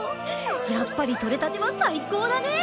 やっぱりとれたては最高だね！